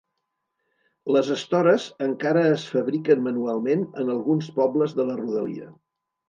Les estores encara es fabriquen manualment en alguns pobles de la rodalia.